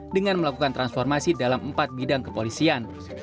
dengan melakukan transformasi dalam empat bidang kepolisian